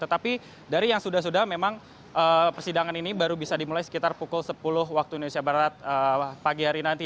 tetapi dari yang sudah sudah memang persidangan ini baru bisa dimulai sekitar pukul sepuluh waktu indonesia barat pagi hari nanti